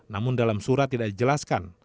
namun dalam surat tidak dijelaskan